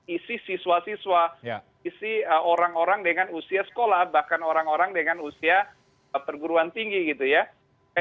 isi siswa siswa isi orang orang dengan usia sekolah bahkan orang orang dengan usia perguruan tinggi gitu ya